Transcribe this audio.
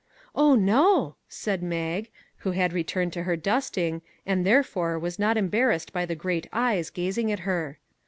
" Oh, no," said Mag, who had returned to her dusting, and, therefore, was not embar rassed by the great eyes gazing at her.